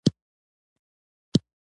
کور کې دې جواري نسته د دماغه دې د پلو بوی ځي.